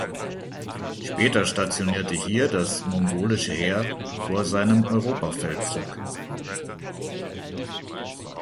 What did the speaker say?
Später stationierte hier das mongolische Heer vor seinem Europa-Feldzug.